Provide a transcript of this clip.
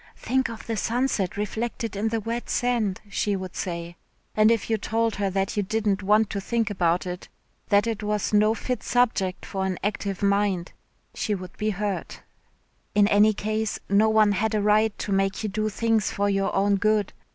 "Think of the sunset reflected in the wet sand," she would say, and if you told her that you didn't want to think about it, that it was no fit subject for an active mind, she would be hurt. In any case no one had a right to make you do things for your own good.